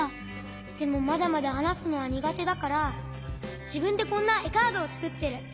でもまだまだはなすのはにがてだからじぶんでこんなえカードをつくってる。